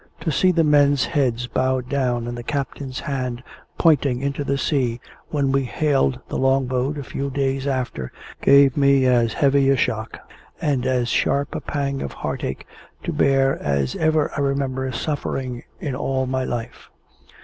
To see the men's heads bowed down and the captain's hand pointing into the sea when we hailed the Long boat, a few days after, gave me as heavy a shock and as sharp a pang of heartache to bear as ever I remember suffering in all my life.